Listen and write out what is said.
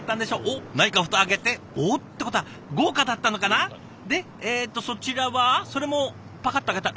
おっ何か蓋開けておっ？ってことは豪華だったのかな？でえっとそちらはそれもパカッと開けた。